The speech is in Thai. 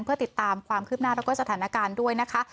เพื่อติดตามความคืบหน้าแล้วก็สถานการณ์ด้วยนะคะ